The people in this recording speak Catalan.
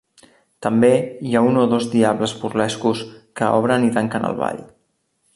També hi ha un o dos diables burlescos que obren i tanquen el Ball.